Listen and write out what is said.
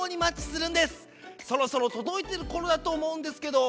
そろそろとどいてるころだとおもうんですけど。